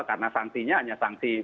karena sanksinya hanya sanksi